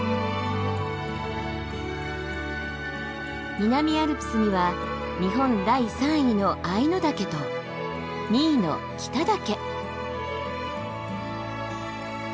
南アルプスには日本第３位の間ノ岳と２位の北岳。